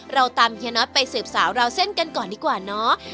เราตามเฮียน็อตไปสืบสาวราวเส้นกันก่อนดีกว่าเนาะ